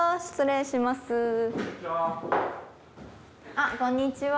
あっこんにちは。